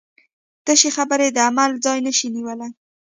تشې خبرې د عمل ځای نشي نیولی.